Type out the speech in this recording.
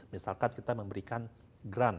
misalkan kita memberikan grant